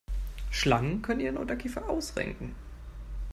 Schlangen können ihren Unterkiefer ausrenken.